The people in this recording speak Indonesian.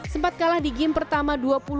sempat kalah di game pertama dua puluh dua puluh dua